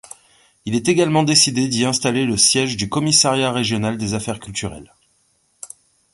Il est également décidé d'y installer le siège du commissariat régional des affaires culturelles.